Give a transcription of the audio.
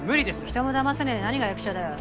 人もだませねぇで何が役者だよ。